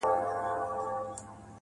o ه ستا د غزل سور له تورو غرو را اوړي.